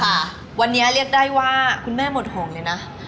ค่ะวันนี้เรียกได้ว่าคุณแม่หมดห่วงเลยนะ